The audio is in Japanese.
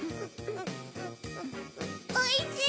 おいしい！